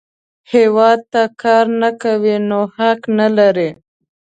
هیواد ته کار نه کوې، نو حق نه لرې